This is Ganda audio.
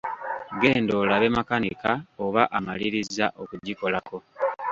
Genda olabe makanika oba amalirizza okugikolako.